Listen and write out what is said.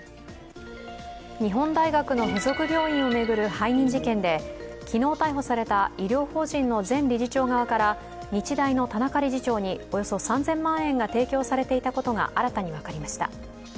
日本大学の付属病院を巡る背任事件で、昨日逮捕された医療法人の前理事長側から日大の田中理事長におよそ３０００万円が提供されていたことが新たに分かりました。